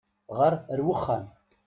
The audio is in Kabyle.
Ɣeṛ ar uxxam!